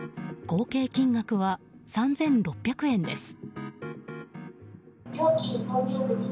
合計金額は３６００円です。